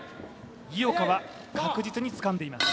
井岡は確実につかんでいます。